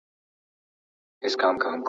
لا یې منځ د شنه ځنګله نه وو لیدلی `